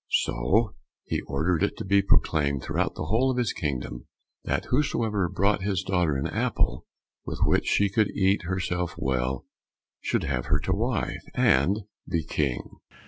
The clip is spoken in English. So he ordered it to be proclaimed throughout the whole of his kingdom, that whosoever brought his daughter an apple with which she could eat herself well, should have her to wife, and be King.